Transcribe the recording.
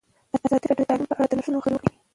ازادي راډیو د تعلیم په اړه د نوښتونو خبر ورکړی.